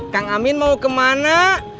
kang amin mau kemana